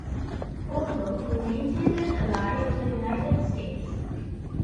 Although, he maintained an ally of the United States.